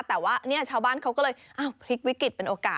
แต่ว่าเนี่ยชาวบ้านเขาก็เลยพลิกวิกฤตเป็นโอกาส